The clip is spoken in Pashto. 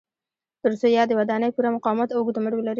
ترڅو یادې ودانۍ پوره مقاومت او اوږد عمر ولري.